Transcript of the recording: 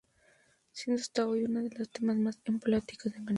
Siendo hasta hoy uno de los temas más emblemáticos de la cantante.